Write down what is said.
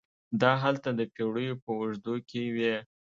دا هلته د پېړیو په اوږدو کې وې.